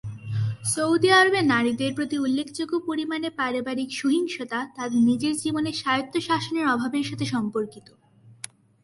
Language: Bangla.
সৌদি আরবে নারীদের প্রতি উল্লেখযোগ্য পরিমাণে পারিবারিক সহিংসতা তাদের নিজের জীবনে স্বায়ত্তশাসনের অভাবের সাথে সম্পর্কিত।